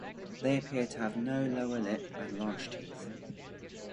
They appear to have no lower lip and large teeth.